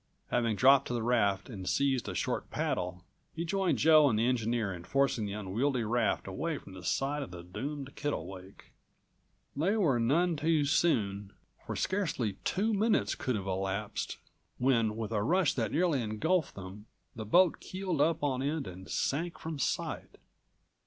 Having dropped to the raft, and seized a short paddle, he joined Joe and the engineer in forcing the unwieldy raft away from the side of the doomed Kittlewake. They were none too soon, for scarcely two minutes could have elapsed when with a rush that nearly engulfed them the boat keeled up on end and sank from sight.